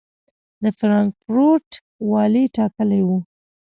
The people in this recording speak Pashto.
د فرانکفورټ والي ټاکلی و.